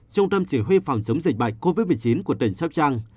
trung tâm chỉ huy phòng chống dịch bệnh covid một mươi chín của tỉnh sóc trăng